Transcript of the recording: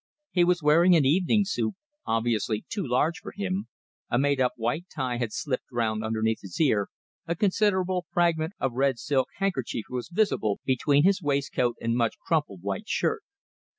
He was wearing an evening suit, obviously too large for him, a made up white tie had slipped round underneath his ear, a considerable fragment of red silk handkerchief was visible between his waistcoat and much crumpled white shirt.